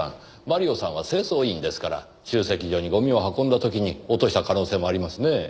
マリオさんは清掃員ですから集積所にゴミを運んだ時に落とした可能性もありますねぇ。